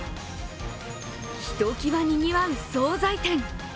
ひときわにぎわう総菜店。